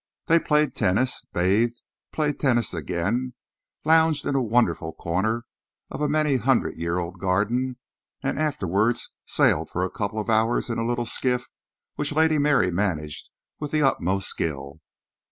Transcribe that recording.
They played tennis, bathed, played tennis again, lounged in a wonderful corner of a many hundred year old garden, and afterwards sailed for a couple of hours in a little skiff which Lady Mary managed with the utmost skill.